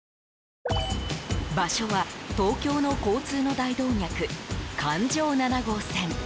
場所は、東京の交通の大動脈環状７号線。